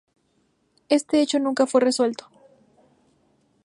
Este hecho nunca fue resuelto.